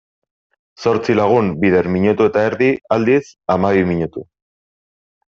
Zortzi lagun bider minutu eta erdi, aldiz, hamabi minutu.